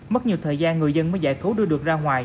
mất nhiều thời gian người dân mới giải cứu đưa được ra ngoài